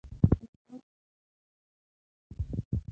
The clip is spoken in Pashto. د غوړو خوړو څخه ډډه وکړئ.